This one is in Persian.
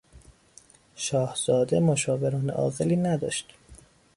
شاهزاده مشاوران عاقلی نداشت.